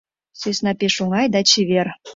Сӧсна пеш оҥай да чевер.